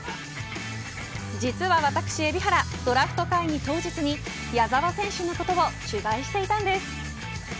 実は私、海老原ドラフト会議当日に矢澤選手のことを取材していたんです。